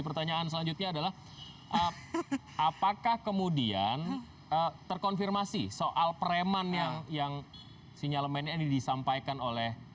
pertanyaan selanjutnya adalah apakah kemudian terkonfirmasi soal preman yang sinyalemen ini disampaikan oleh